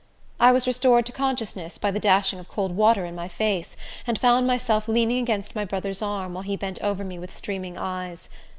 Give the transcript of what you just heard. I was restored to consciousness by the dashing of cold water in my face, and found myself leaning against my brother's arm, while he bent over me with streaming eyes.